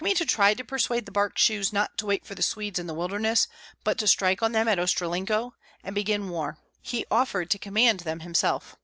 Kmita tried to persuade the Bark shoes not to wait for the Swedes in the wilderness, but to strike on them at Ostrolenko, and begin war; he offered to command them himself.